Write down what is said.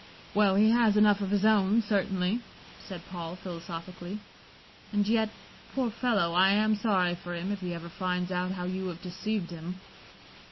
"Well he has enough of his own, certainly," said Paul, philosophically. "And yet, poor fellow, I am sorry for him if he ever finds out how you have deceived him."